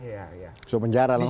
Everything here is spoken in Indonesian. langsung ke penjara langsung